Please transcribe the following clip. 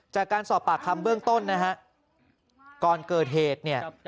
จากการสอบปากคำเบื้องต้นนะฮะก่อนเกิดเหตุเนี่ย